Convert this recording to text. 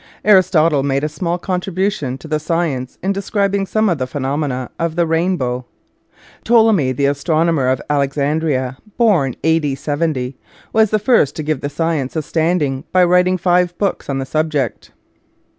Aristotle made a small contribution to the science in describing some of the phenomena of the rain bow. Ptolemy, the astronomer of Alexandria, born a.d. 70, was the first to give the science a stand ing by writing five books on the subject.